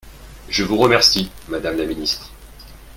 Je vous remercie, madame la ministre